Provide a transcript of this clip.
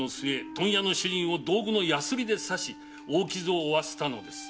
問屋の主人を道具のヤスリで刺し大傷を負わせたのです。